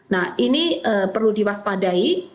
nah ini perlu diwaspadai